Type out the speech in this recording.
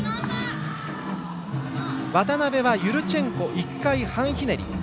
渡部はユルチェンコ１回半ひねり。